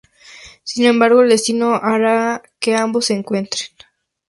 Sin embargo, el destino hará que ambos se encuentren.